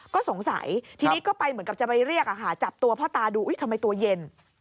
ก็สงสัยที่นิดก็เป็นกับจะไปเรียกหาจับตัวพระตาดูทำไมตัวเย็น